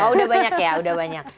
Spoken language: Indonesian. oh udah banyak ya udah banyak